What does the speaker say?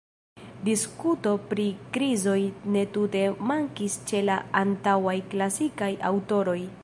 Diskuto pri krizoj ne tute mankis ĉe la antaŭaj klasikaj aŭtoroj.